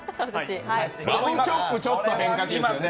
ラムチョップ、ちょっと変化球ですよね。